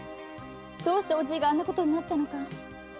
どうしておじいがあんなことになったのか。